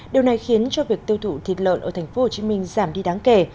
điều này khiến cho việc tiêu thụ thịt lợn ở thành phố hồ chí minh giảm đi đáng kể